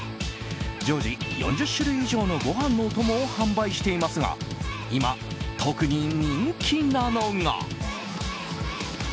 常時４０種類以上のご飯のお供を販売していますが今、特に人気なのが。